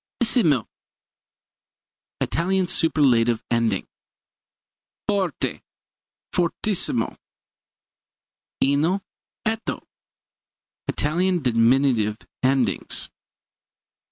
Issimo Italian superlative ending. Forte fortissimo. Ino, etto Italian diminutive endings.